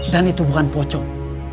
dan itu bukan pocong